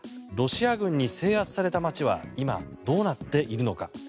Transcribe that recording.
ロシア軍に制圧された街は今、どうなっているのか。